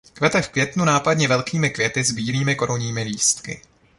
Kvete v květnu nápadně velkými květy s bílými korunními lístky.